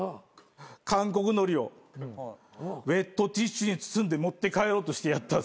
韓国のりをウェットティッシュに包んで持って帰ろうとしてやったぜ。